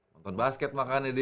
nonton basket mah kan edi